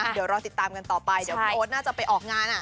เดี๋ยวรอติดตามกันต่อไปเดี๋ยวพี่โอ๊ตน่าจะไปออกงาน